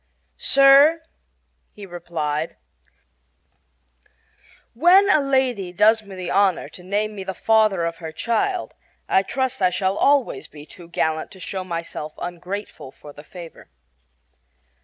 "Sir," he replied, "when a lady does me the honor to name me the father of her child I trust I shall always be too gallant to show myself ungrateful for the favor."